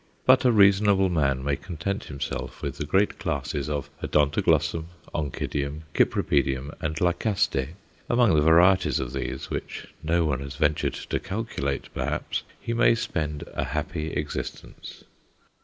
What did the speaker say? But a reasonable man may content himself with the great classes of Odontoglossum, Oncidium, Cypripedium, and Lycaste; among the varieties of these, which no one has ventured to calculate perhaps, he may spend a happy existence.